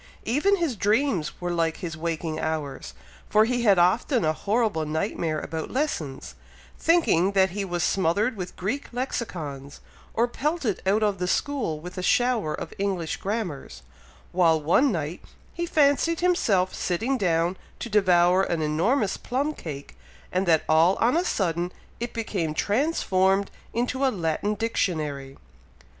Even his dreams were like his waking hours, for he had often a horrible night mare about lessons, thinking that he was smothered with Greek Lexicons, or pelted out of the school with a shower of English Grammars, while one night, he fancied himself sitting down to devour an enormous plum cake, and that all on a sudden it became transformed into a Latin Dictionary!